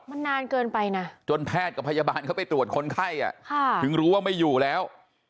มันนานเกินไปนะจนแพทย์กับพยาบาลเขาไปตรวจคนไข้ถึงรู้ว่าไม่อยู่แล้ว